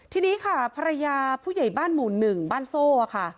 ทีนี้ค่ะภรรยาผู้ใหญ่บ้านหมู่๑บ้านโซ่ค่ะ